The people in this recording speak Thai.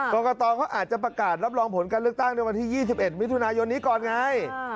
กรกตเขาอาจจะประกาศรับรองผลการเลือกตั้งในวันที่๒๑มิถุนายนนี้ก่อนไง